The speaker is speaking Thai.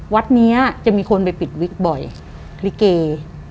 วัดนี้จะมีคนไปปิดวิกบ่อยลิเก